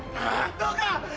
どうか！